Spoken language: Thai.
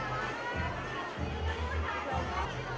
แรกแล้ว